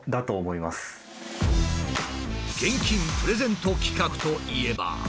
現金プレゼント企画といえば。